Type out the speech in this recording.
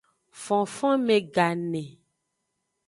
Fonfonme gane.